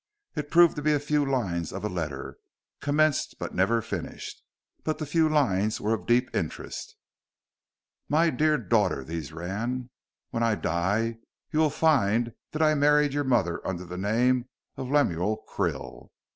It proved to be a few lines of a letter, commenced but never finished. But the few lines were of deep interest. "My dear daughter," these ran, "when I die you will find that I married your mother under the name of Lemuel Krill.